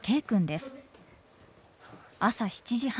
朝７時半。